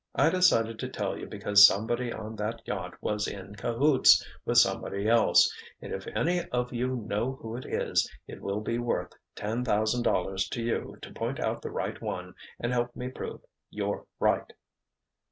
"I decided to tell you because somebody on that yacht was 'in cahoots' with somebody else, and if any of you know who it is, it will be worth ten thousand dollars to you to point out the right one and help me prove you're right!"